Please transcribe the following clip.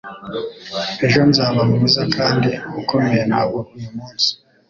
Ejo nzaba mwiza kandi ukomeye ntabwo uyu munsi